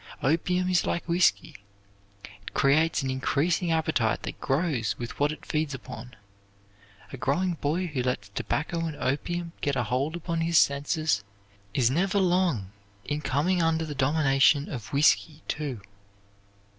Opium is like whisky, it creates an increasing appetite that grows with what it feeds upon. A growing boy who lets tobacco and opium get a hold upon his senses is never long in coming under the domination of whisky, too.